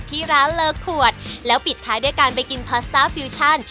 ที่ร้านเลอขวดแล้วปิดท้ายด้วยการไปกินพาสต้าฟิวชั่น